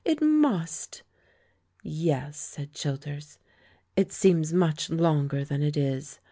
It must!" "Yes," said Childers, "it seems much longer than it is.